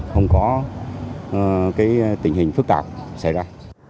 không có tình hình phức tạp xảy ra